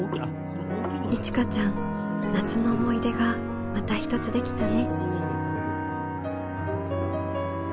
いちかちゃん夏の思い出がまた一つできたね。